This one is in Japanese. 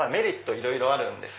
いろいろあるんです。